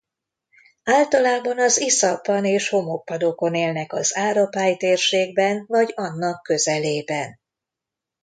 Általában az iszapban és homokpadokon élnek az árapály térségben vagy annak közelében.